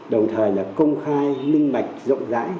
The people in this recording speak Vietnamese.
đồng thời công khai minh mạch rộng rãi